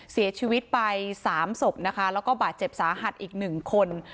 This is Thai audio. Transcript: เสียชีวิตไป๓ศพนะคะแล้วก็บาดเจ็บสาหัสอีก๑คน